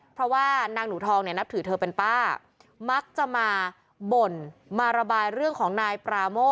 เพราะว่านางหนูทองเนี่ยนับถือเธอเป็นป้ามักจะมาบ่นมาระบายเรื่องของนายปราโม่